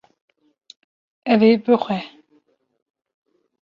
Ew ê bixwe